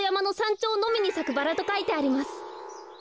ちょうのみにさくバラとかいてあります。